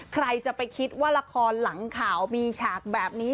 ทรายจะไปคิดว่าราคอลหลังข่าวมีชาติแบบนี้